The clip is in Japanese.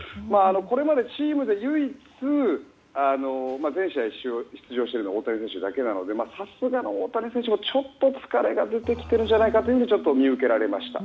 これまでチームで唯一全試合出場しているのは大谷選手だけなのでさすがの大谷選手も疲れが出てきているように見受けられました。